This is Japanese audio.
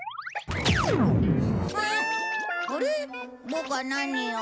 ボクは何を？